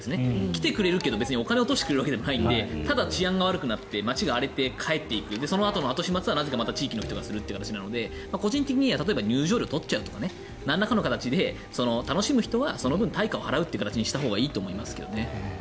来てくれるけど別にお金を落としてくれるわけでもないのでただ治安が悪くなって街が荒れて、帰っていくそのあとの後始末は地域の人がするという話なので個人的には入場料を取るとかなんらかの形で楽しむ人はその分、対価を払う形にしたほうがいいと思いますけどね。